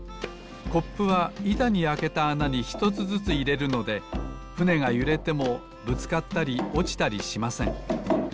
コップはいたにあけたあなにひとつずついれるのでふねがゆれてもぶつかったりおちたりしません。